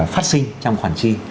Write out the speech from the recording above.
phát sinh trong khoản chi